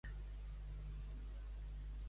Podries estar una miqueta sense dir ni mot?